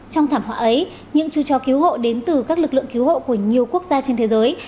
trong thảm họa ấy những chú chó cứu hộ đến từ các lực lượng cứu hộ của nhiều quốc gia trên thế giới